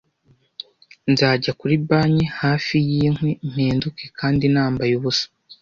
Nzajya kuri banki hafi yinkwi mpinduke kandi nambaye ubusa,